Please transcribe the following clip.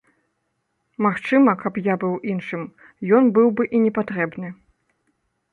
Магчыма, каб я быў іншым, ёй быў бы і не патрэбны.